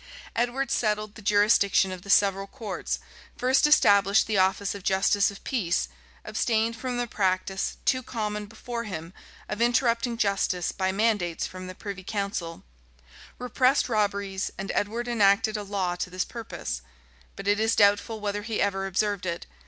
[] Edward settled the jurisdiction of the several courts; first established the office of justice of peace; abstained from the practice, too common before him, of interrupting justice by mandates from the privy council;[] repressed robberies and Edward enacted a law to this purpose; but it is doubtful whether he ever observed it.